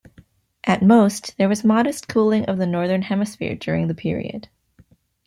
At most, there was modest cooling of the Northern Hemisphere during the period.